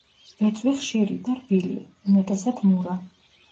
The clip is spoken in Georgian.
ბეწვი ხშირი და რბილია, უმეტესად მურა.